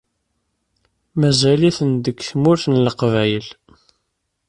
Mazal-iten deg Tmurt n Leqbayel.